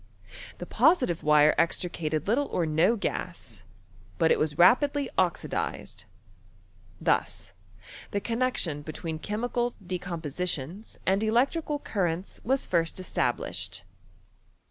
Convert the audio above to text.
The positive wire extricated little or no gas ; but it was rapidly oxidized. Thus the connexion between chemical decompositions and electrical cur Tents was first established.